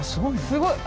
すごい。